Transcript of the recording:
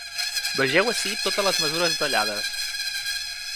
Vegeu ací totes les mesures detallades.